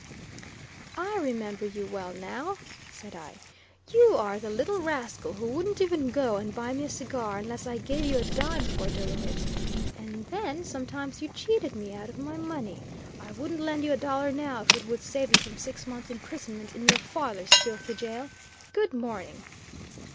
"I remember you well, now," said I; "you are the little rascal who wouldn't even go and buy me a cigar unless I gave you a dime for doing it; and then, sometimes, you cheated me out of my money; I wouldn't lend you a dollar now if it would save you from six month's imprisonment in your father's filthy jail. Good morning."